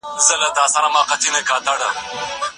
د چا لخوا ماته په واټساپ کې د نوي کال مبارکي راغله.